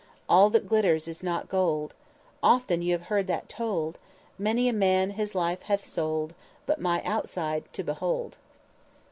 "_ _"All that glitters is not gold, Often you have heard that told; Many a man his life hath sold But my outside to behold!"